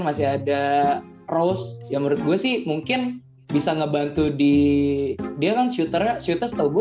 masih ada rose yang menurut gue sih mungkin bisa ngebantu di dia kan shooternya shooter setau gue